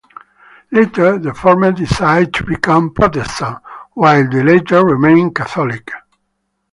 Later the former decided to become Protestant, while the latter remained Catholic.